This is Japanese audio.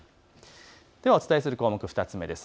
お伝えする項目、２つ目です。